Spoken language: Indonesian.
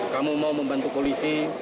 kamu mau membantu polisi